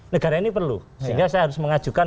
negara ini perlu sehingga saya harus mengajukan